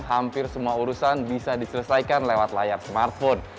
hampir semua urusan bisa diselesaikan lewat layar smartphone